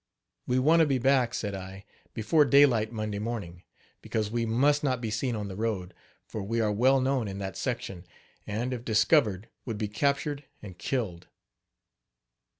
"We want to be back," said I, "before daylight Monday morning, because we must not be seen on the road; for we are well known in that section, and, if discovered, would be captured and killed.